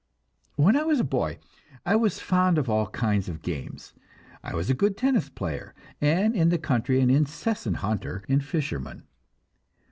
When I was a boy, I was fond of all kinds of games. I was a good tennis player, and in the country an incessant hunter and fisherman.